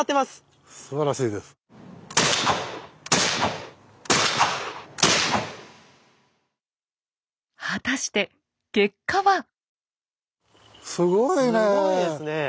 すごいね。